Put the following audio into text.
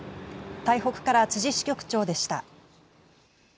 台北から逵支局長でした。